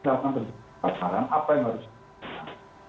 misalkan terjadi kebakaran apa yang harus dilakukan